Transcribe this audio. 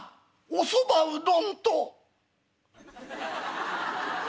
『おそばうどん』？」。